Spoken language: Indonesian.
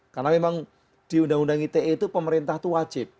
karena memang di undang undang ite itu pemerintah itu wajib